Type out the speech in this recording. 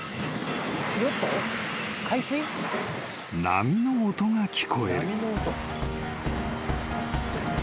［波の音が聞こえる］